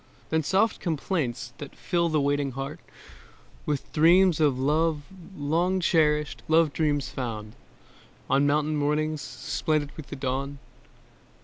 Then soft complaints that fill the waiting heart With dreams of love long cherished; love dreams found On morning mountains, splendid with the dawn.